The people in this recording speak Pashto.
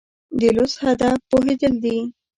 د لوست هدف پوهېدل دي.